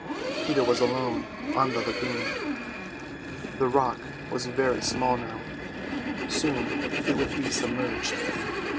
Peter was alone on the lagoon. The rock was very small now; soon it would be submerged.